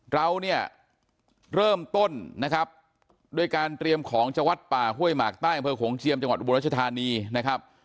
เราเนี่ยเริ่มต้นนะครับด้วยการเตรียมของจากวัดป่าห้วยหมากใต้อำเภอโขงเจียมจังหวัดอุบรัชธานีนะครับ